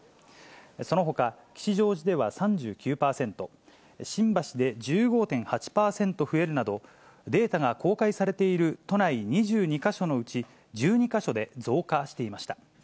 そのほか、吉祥寺では３９％、新橋で１５．８％増えるなど、データが公開されている都内２２か所のうち、１２か所で増加していました。